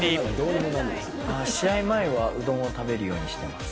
試合前はうどんを食べるようにしてます。